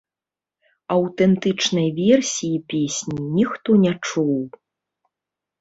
Аўтэнтычнай версіі песні ніхто не чуў.